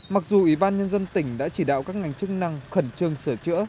mặc dù ủy ban nhân dân tỉnh đã chỉ đạo các ngành chức năng khẩn trương sửa chữa